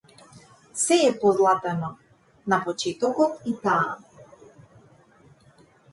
Сѐ е позлатено, на почетокот и таа.